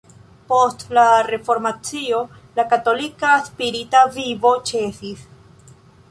Post la Reformacio la katolika spirita vivo ĉesis.